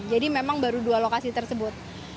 jadi memang baru dua lokasi tersebut